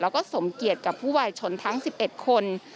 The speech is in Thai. แล้วก็สมเกียจกับผู้วายชนทั้ง๑๑คน